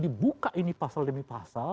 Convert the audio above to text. kalau buka ini pasal demi pasal